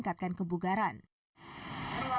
kita juga bisa mengobati penyelaman